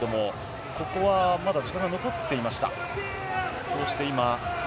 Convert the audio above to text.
ここは時間が残っていました。